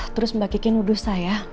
terus mbak kiki nuduh saya